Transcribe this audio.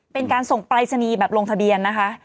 เป็นการส่งปรายศนีย์แบบลงทะเบียนนะคะ